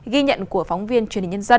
ghi nhận của phóng viên truyền hình nhân dân